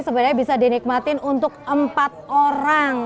sebenarnya bisa dinikmatin untuk empat orang